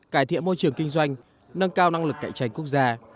cải thiện môi trường kinh doanh nâng cao năng lực cạnh tranh quốc gia